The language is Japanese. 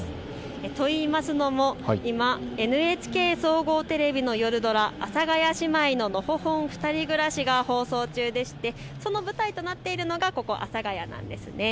と言いますのも今、ＮＨＫ総合テレビのよるドラ、阿佐ヶ谷姉妹ののほほんふたり暮らしが放送中でしてその舞台となっているのがここ阿佐ヶ谷です。